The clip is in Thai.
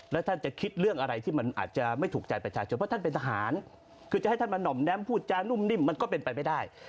แล้วท่านจะคิดเรื่องอะไรที่มันอาจจะไม่ถูกใจประชาชนเพราะท่านเป็นทหารคือจะให้ท่านมาหน่อมแ้มพูดจานุ่มนิ่มมันก็เป็นไปไม่ได้